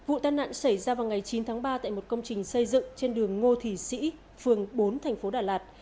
vụ tàn nạn xảy ra vào ngày chín tháng ba tại một công trình xây dựng trên đường ngô thỷ sĩ phường bốn tp đà lạt